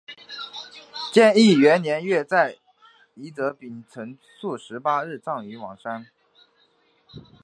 建义元年月在夷则丙辰朔十八日葬于邙山。